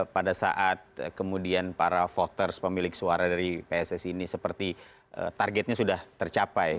pada saat kemudian para voters pemilik suara dari pssi ini seperti targetnya sudah tercapai